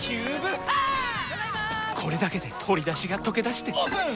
これだけで鶏だしがとけだしてオープン！